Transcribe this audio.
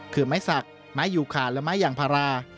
คือไม้สักไม้ยูคานและไม้ยางพารา